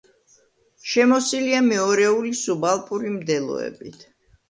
შემოსილია მეორეული სუბალპური მდელოებით.